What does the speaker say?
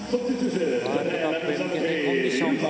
ワールドカップへ向けてコンディションも